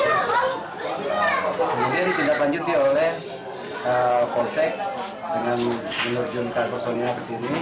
kemudian ditindaklanjuti oleh kosek dengan menurjunkan kosongnya ke sini